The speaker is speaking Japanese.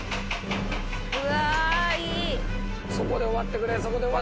うわいい！